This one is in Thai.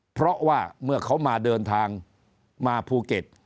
เพราะว่าเมื่อเขามาเดินทางมาภูเก็ต